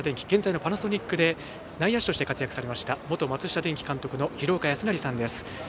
現在のパナソニックで内野手として活躍された元松下電器監督の廣岡資生さんです。